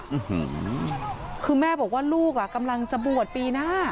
อืมคือแม่บอกว่าลูกอ่ะกำลังจะบวชปีหน้า